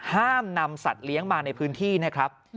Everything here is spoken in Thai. ห้ามนำสัตว์เลี้ยงมาในพื้นที่นะครับ